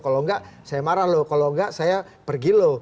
kalau nggak saya marah lo kalau nggak saya pergi lo